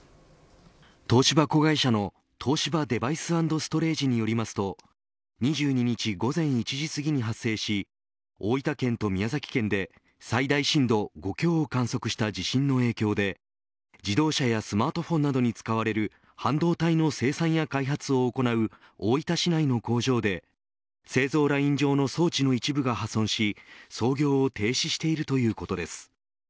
東芝子会社の東芝デバイス＆ストレージによりますと２２日午前１すぎに発生し大分県と宮崎県で最大震度５強を観測した地震の影響で自動車やスマートフォンなどに使われる半導体の生産や開発を行う大分市内の工場で製造ライン上の装置の一部が破損し操業を停止しているということです。